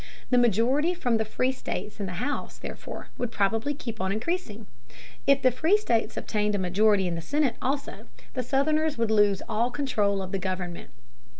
The majority from the free states in the House, therefore, would probably keep on increasing. If the free states obtained a majority in the Senate also, the Southerners would lose all control of the government.